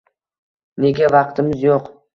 Nega vaqtimiz yo‘q?